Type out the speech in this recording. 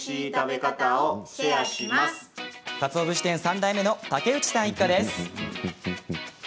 かつお節店３代目の竹内さん一家です。